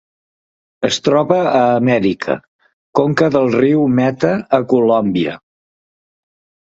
Es troba a Amèrica: conca del riu Meta a Colòmbia.